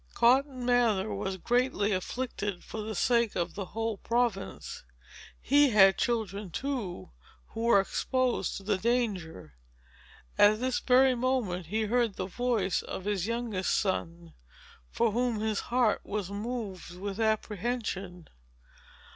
Cotton Mather was greatly afflicted, for the sake of the whole province. He had children, too, who were exposed to the danger. At that very moment, he heard the voice of his youngest son, for whom his heart was moved with apprehension.